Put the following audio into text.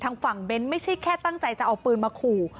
ทางฝั่งเบ้นไม่ใช่แค่ตั้งใจจะเอาปืนมาขู่